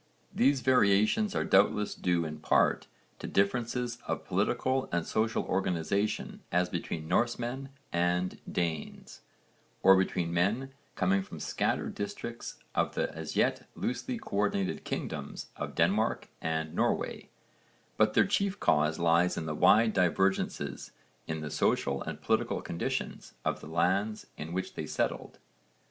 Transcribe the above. These variations are doubtless due in part to differences of political and social organisation as between Norsemen and Danes, or between men coming from scattered districts of the as yet loosely co ordinated kingdoms of Denmark and Norway, but their chief cause lies in the wide divergences in the social and political conditions of the lands in which they settled.